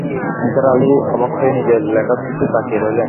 নিসার আলি অবাক হয়ে নিজের লেখার দিকে তাকিয়ে রইলেন।